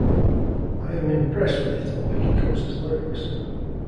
I am impressed with it and Pecikoza's lyrics.